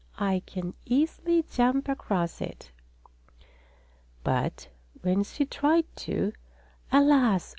"I can easily jump across it." But when she tried to, alas!